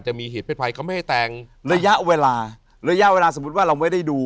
จะมีเหตุเพศภัยเขาไม่ให้แต่งระยะเวลาระยะเวลาสมมุติว่าเราไม่ได้ดู